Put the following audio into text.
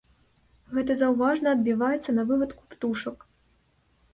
Гэта заўважна адбіваецца на вывадку птушак.